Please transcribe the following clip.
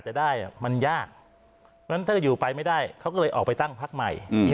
จะได้มันยากแล้วถ้าอยู่ไปไม่ได้เขาเลยออกไปตั้งภักด์ใหม่มี